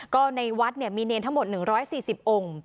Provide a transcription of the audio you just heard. ก็ในวัดมีเนรทั้งหมด๑๔๐องค์